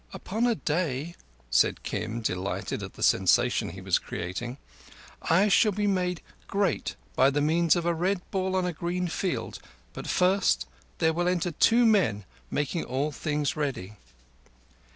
"Upon a day," said Kim, delighted at the sensation he was creating, "I shall be made great by means of a Red Bull on a green field, but first there will enter two men making all things ready."